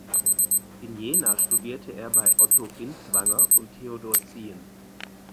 In Jena studierte er bei Otto Binswanger und Theodor Ziehen.